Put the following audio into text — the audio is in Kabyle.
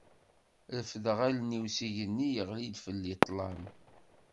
Refdeɣ allen-iw s igenni, yeɣli-d fell-i ṭlam.